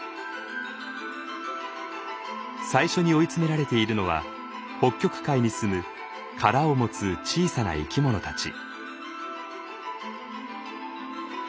最初に追い詰められているのは北極海にすむ殻を持つ小さな生き物たち。